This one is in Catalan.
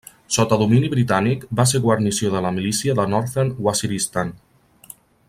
Sota domini britànic va ser guarnició de la Milícia de Northern Waziristan.